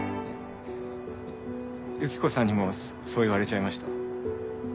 ユキコさんにもそう言われちゃいました。